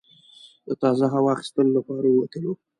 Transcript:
د تازه هوا اخیستلو لپاره ووتلو.